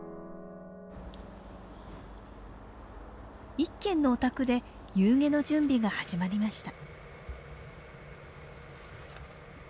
一軒のお宅で夕げの準備が始まりました。